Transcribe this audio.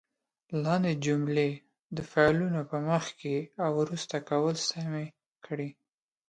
لاندې جملې د فعلونو په مخکې او وروسته کولو سمې کړئ.